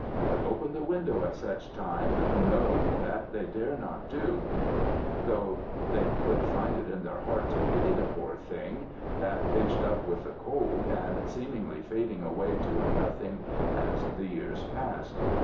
But open the window at such times, no, that they dare not do, though they could find it in their heart to pity the poor thing, that pinched up with the cold, and seemingly fading away to a nothink as the years passed on.